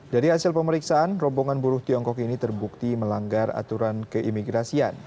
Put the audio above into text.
dari hasil pemeriksaan rombongan buruh tiongkok ini terbukti melanggar aturan keimigrasian